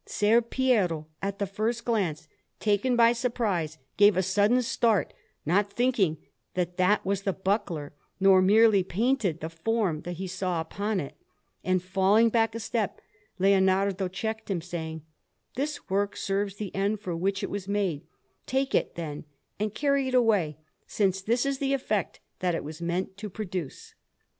Ser Piero, at the first glance, taken by surprise, gave a sudden start, not thinking that that was the buckler, nor merely painted the form that he saw upon it, and, falling back a step, Leonardo checked him, saying, "This work serves the end for which it was made; take it, then, and carry it away, since this is the effect that it was meant to produce."